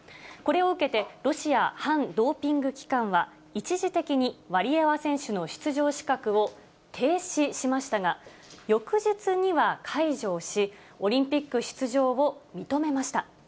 これを受けて、ロシア反ドーピング機関は、一時的にワリエワ選手の出場資格を停止しましたが、翌日には解除をし、オリンピック出場を認めました。